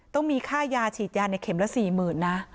ต้องมีค่าชีดยาในเข็มละสี่หมื่นนะ